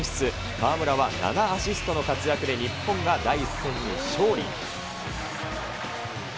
河村は７アシストの活躍で日本が第１戦に勝利。